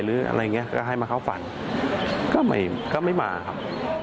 หรืออะไรอย่างเงี้ยก็ให้มาเขาฝันก็ไม่มาครับ